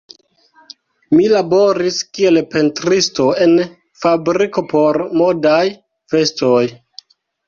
Mi laboris kiel pentristo en fabriko por modaj vestoj.